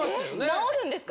治るんですか？